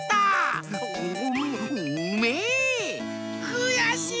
くやしい！